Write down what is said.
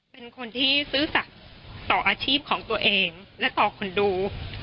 เป็นคนที่ซื่อสัตว์ต่ออาชีพของตัวเองและต่อคนดู